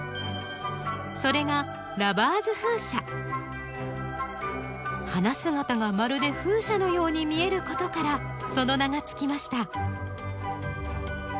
それが花姿がまるで風車のように見えることからその名が付きました。